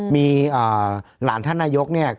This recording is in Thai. มีหลานท่านนายกเนี่ย